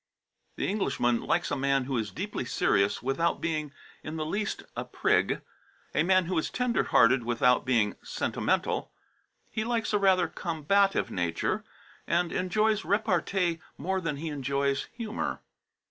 The Englishman likes a man who is deeply serious without being in the least a prig; a man who is tender hearted without being sentimental; he likes a rather combative nature, and enjoys repartee more than he enjoys humour.